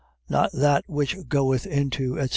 Not that which goeth into, etc.